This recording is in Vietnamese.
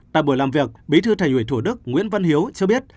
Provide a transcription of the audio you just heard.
tại buổi làm việc bí thư thành ủy thủ đức nguyễn văn hiếu cho biết